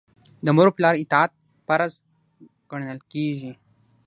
د مور او پلار اطاعت فرض ګڼل کیږي.